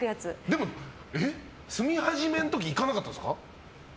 でも、住みはじめの時行かなかったんですか。